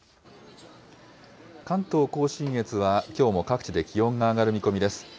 関東甲信越はきょうも各地で気温が上がる見込みです。